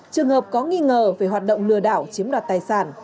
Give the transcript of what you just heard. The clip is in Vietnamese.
trường hợp có nghi ngờ về hoạt động lừa đảo chiếm đoạt tài sản